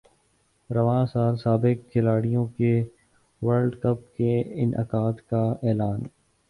رواں سال سابق کھلاڑیوں کے ورلڈ کپ کے انعقاد کا اعلان